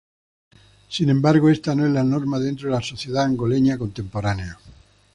Sin embargo esta no es la norma dentro de la sociedad angoleña contemporánea.